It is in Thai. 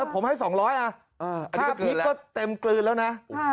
ผมให้๒๐๐ค่าพริกก็เต็มกลืนแล้วนะ